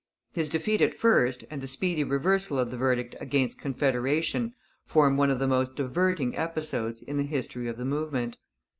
His defeat at first and the speedy reversal of the verdict against Confederation form one of the most diverting episodes in the history of the movement.